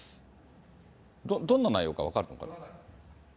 どんな内容か分かるのかな？